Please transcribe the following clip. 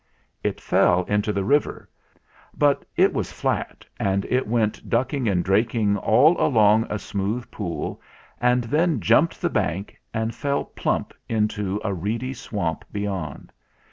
It fell into the river ; but it was flat, and it went ducking and draking all along a smooth pool and then jumped the bank and fell plump into a reedy swamp beyond.